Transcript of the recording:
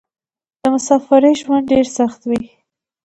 د مسافرۍ ژوند ډېر سخت وې.